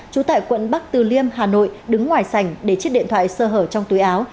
trú tại quận bắc từ liêm hà nội đứng ngoài sành để chiếc điện thoại sơ hở trong túi áo